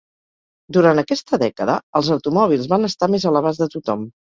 Durant aquesta dècada, els automòbils van estar més a l'abast de tothom.